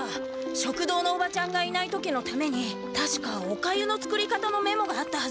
食堂のおばちゃんがいない時のためにたしかおかゆの作り方のメモがあったはず。